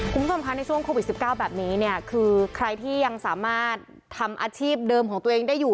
คุณผู้ชมคะในช่วงโควิด๑๙แบบนี้เนี่ยคือใครที่ยังสามารถทำอาชีพเดิมของตัวเองได้อยู่